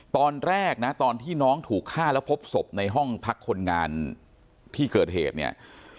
ตอนแรกนะตอนที่น้องถูกฆ่าแล้วพบศพในห้องพักคนงานที่เกิดเหตุเนี่ย